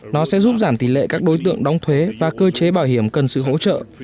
nó sẽ giúp giảm tỷ lệ các đối tượng đóng thuế và cơ chế bảo hiểm cần sự hỗ trợ